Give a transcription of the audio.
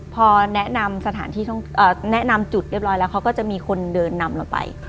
พอแนะนำจุดเรียบร้อยแล้วเขาก็จะมีคนเดินนำเราไป